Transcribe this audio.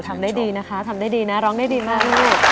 ทำได้ดีนะคะทำได้ดีนะร้องได้ดีมากลูก